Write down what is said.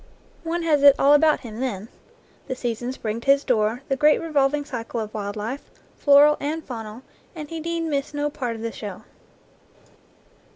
One has it all about him then. The seasons bring to his door the great revolving cycle of wild life, floral and faunal, and he need miss no part of the show.